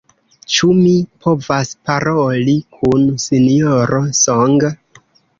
Ĉu mi povas paroli kun Sinjoro Song?